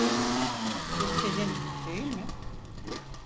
Bu senin, değil mi?